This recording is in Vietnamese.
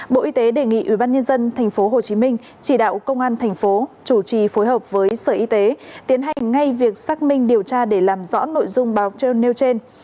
bộ y tế đề nghị ubnd tp hcm chỉ đạo công an tp chủ trì phối hợp với sở y tế tiến hành ngay việc xác minh điều tra để làm rõ nội dung báo trơn nêu trên